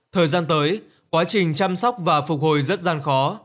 thời gian tới quá trình chăm sóc và phục hồi rất gian khó